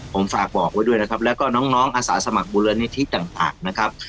ผมฝากบอกไว้ด้วยนะครับแล้วก็น้องอาสาสมัครมูลนิธิต่างนะครับ